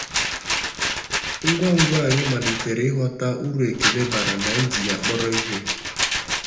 Ngwa ngwa anyị malitere ịghọta uru ekele bara na iji ya kpọrọ ihe